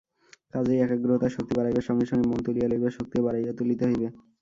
কাজেই একাগ্রতার শক্তি বাড়াইবার সঙ্গে সঙ্গে মন তুলিয়া লইবার শক্তিও বাড়াইয়া তুলিতে হইবে।